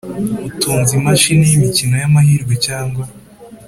Utunze imashini y imikino y amahirwe cyangwa